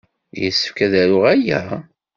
Yessefk ad aruɣ aya?